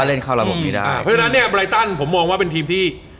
เพราะฉะนั้นไบตันผมมองว่ามันกว่า